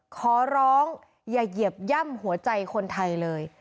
ขอร้องอย่าเหยียบย่ำหัวใจคนไทยเลย